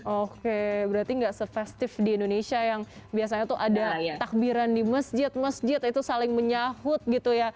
oke berarti nggak se festive di indonesia yang biasanya tuh ada takbiran di masjid masjid itu saling menyahut gitu ya